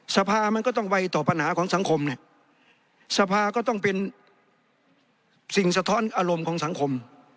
สภามันก็ต้องไวต่อปัญหาของสังคมเนี่ยสภาก็ต้องเป็นสิ่งสะท้อนอารมณ์ของสังคม